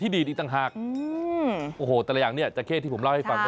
ดูอย่างนี้ค่ะ